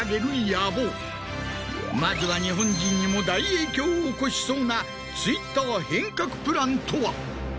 まずは日本人にも大影響を起こしそうなＴｗｉｔｔｅｒ変革プランとは？